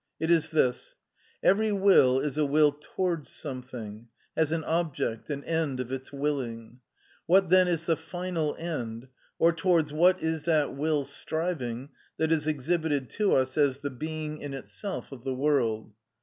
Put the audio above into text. It is this: Every will is a will towards something, has an object, an end of its willing; what then is the final end, or towards what is that will striving that is exhibited to us as the being in itself of the world?